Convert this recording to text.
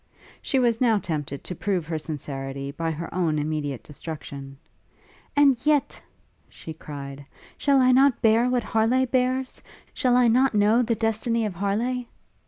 She was now tempted to prove her sincerity by her own immediate destruction. 'And yet,' she cried, 'shall I not bear what Harleigh bears? Shall I not know the destiny of Harleigh?'